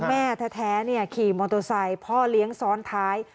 แม่แท้ขี่มอเตอร์ไซค์พ่อเลี้ยงซ้อนท้าย